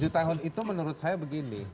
tujuh tahun itu menurut saya begini